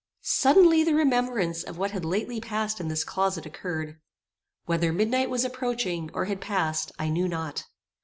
Suddenly the remembrance of what had lately passed in this closet occurred. Whether midnight was approaching, or had passed, I knew not.